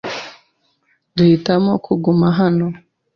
Duhitamo kuguma hano.